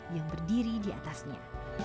yang berdiri di atasnya